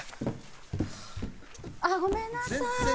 あっごめんなさい！